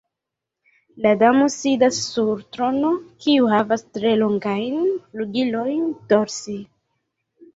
La damo sidas sur trono kiu havas tre longajn flugilojn dorse.